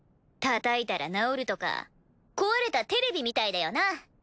叩いたら治るとか壊れたテレビみたいだよな。